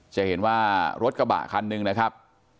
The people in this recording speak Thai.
จะเห็นว่ารถกระบะคันหนึ่งนะครับ